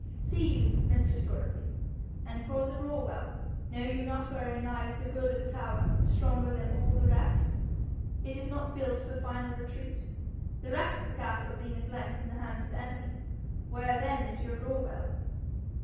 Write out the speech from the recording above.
See you, mistress Dorothy? And for the draw well, know you not wherein lies the good of a tower stronger than all the rest? Is it not built for final retreat, the rest of the castle being at length in the hands of the enemy? Where then is your draw well?'